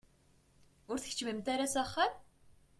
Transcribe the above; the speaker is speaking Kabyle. Ur tkeččmemt ara s axxam?